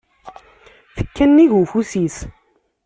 Tekka nnig ufus-is.